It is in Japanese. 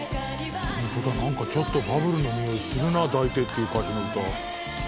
ちょっとバブルのにおいするな「抱いて」っていう歌詞の歌。